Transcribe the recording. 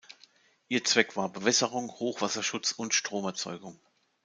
Ihr Zweck war Bewässerung, Hochwasserschutz und Stromerzeugung.